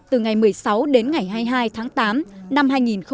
từ ngày một mươi sáu đến ngày hai mươi hai tháng tám năm hai nghìn một mươi chín